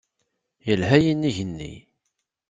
Yelha yinig-nni.